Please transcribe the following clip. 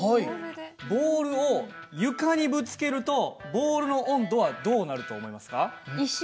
ボールを床にぶつけるとボールの温度はどうなると思いますか？